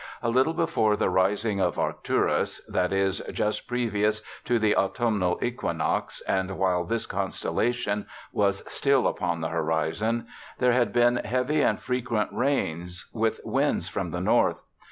A little before the rising of Arcturus — that is, just previous to the autumnal equinox, and while this constellation was still upon the horizon — there had been heavy and frequent rains, with winds from the north.